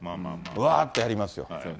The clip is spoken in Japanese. わーってやりますよ。